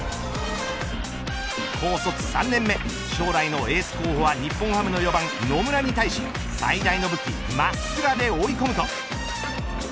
高卒３年目将来のエース候補は日本ハムの４番、野村に対し最大の武器真っスラで追い込むと。